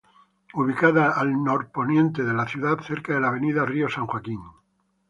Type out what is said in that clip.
Ubicada al norponiente de la ciudad, cerca de la Avenida Río San Joaquín.